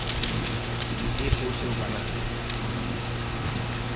Ese é o seu balance.